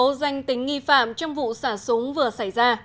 dấu danh tính nghi phạm trong vụ xả súng vừa xảy ra